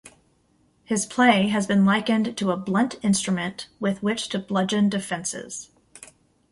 His play has been likened to "a blunt instrument with which to bludgeon defences".